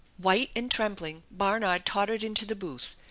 White and trembling Barnard tottered into the booth.